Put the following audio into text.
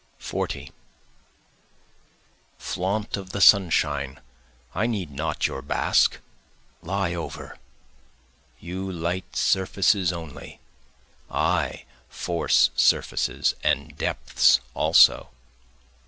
40 Flaunt of the sunshine I need not your bask lie over! You light surfaces only, I force surfaces and depths also.